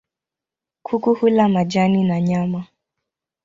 Kuku hula majani na nyama.